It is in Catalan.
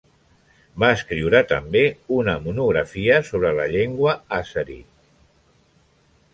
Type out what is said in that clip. Va escriure també una monografia sobre la llengua àzeri.